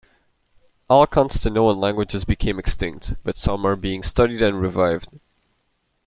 All Costanoan languages became extinct, but some are being studied and revived.